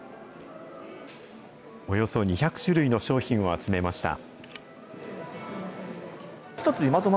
およそ２００種類の商品を集めました。